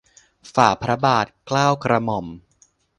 ฝ่าพระบาท เกล้ากระหม่อม